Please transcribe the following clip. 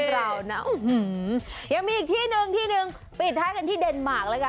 ยังมีที่สถานทูตเยอร์าบันค่ะ